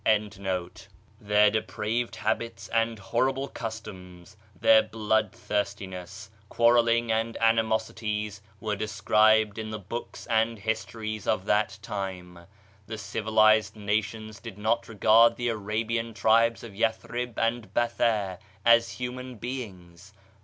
';^' j 99 MYSTERIOUS FORCES Their depraved habits and horrible customs, their blood thirstiness, quarrelling and animosities were described in the books and histories of that time; the civilized nations did not regard the Arabian tribes of Yathreb and Batha as human beings.